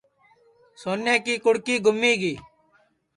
سونے کی کُڑکی گُمی گی